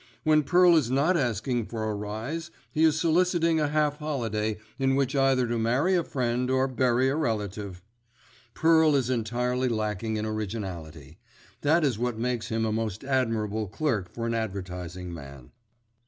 When Pearl is not asking for a rise, he is soliciting a half holiday in which either to marry a friend, or bury a relative. Pearl is entirely lacking in originality. That is what makes him a most admirable clerk for an advertising man.